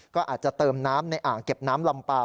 ก็อาจจะเติมน้ำในอ่างเก็บน้ำลำเปล่า